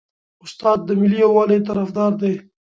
استاد د ملي یووالي طرفدار دی.